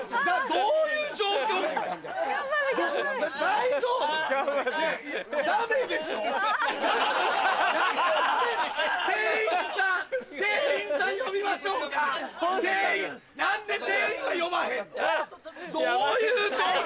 どういう状況？